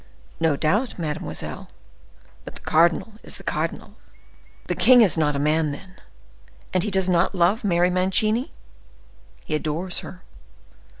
"No doubt, mademoiselle; but the cardinal is the cardinal." "The king is not a man, then! And he does not love Mary Mancini?" "He adores her."